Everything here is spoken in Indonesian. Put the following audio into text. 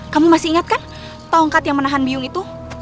kamu masih ingat kan tongkat yang menahan biung itu